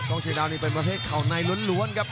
เชียดาวนี่เป็นประเภทเข่าในล้วนครับ